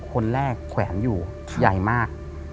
คนแรกแขวนอยู่ใหญ่มาก